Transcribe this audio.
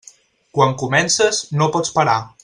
Quan comences, no pots parar.